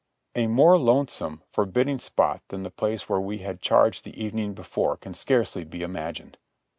A more lonesome, forbidding spot than the place where we had charged the evening before can scarcely be imagined.